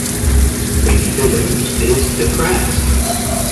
Lady Billows is depressed.